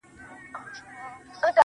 ځمه له روحه مي بدن د گلبدن را باسم,